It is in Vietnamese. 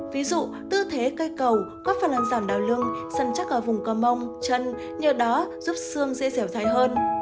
ví dụ tư thế cây cầu có phần làm giảm đau lưng sần chắc ở vùng cơ mông chân nhờ đó giúp xương dễ dẻo thay hơn